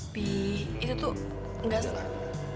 bi itu tuh gak